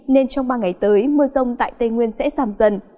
nên trong ba ngày tới mưa rông tại tây nguyên sẽ giảm dần